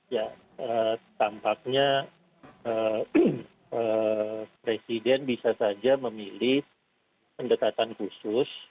ya tampaknya presiden bisa saja memilih pendekatan khusus